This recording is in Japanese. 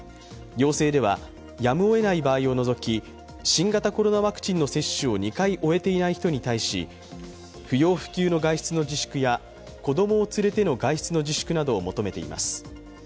要請ではやむをえない場合を除き新型コロナワクチンの接種を２回終えていない人に対し、不要不急の外出の自粛や子供を連れての外出の自粛などを求めています。